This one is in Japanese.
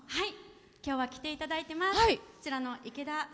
今日は来ていただいてます。